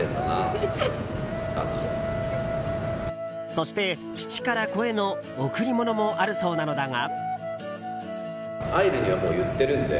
そして、父から子への贈り物もあるそうなのだが。